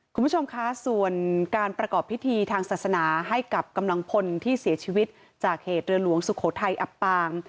คุณผู้ชมคะส่วนการประกอบพิธีทางศาสนาให้กับกำลังพลที่เสียชีวิตจากเหตุเรือหลวงสุโขทัยอับปาง